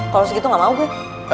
kalau segitu gak mau deh